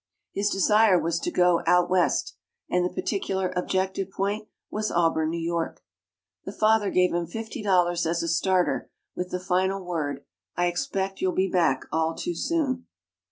His desire was to go "Out West," and the particular objective point was Auburn, New York. The father gave him fifty dollars as a starter, with the final word, "I expect you'll be back all too soon."